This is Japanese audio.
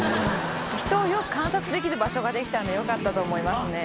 人をよく観察できる場所ができたんでよかったと思いますね。